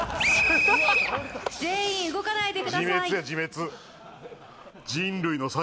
全員動かないでください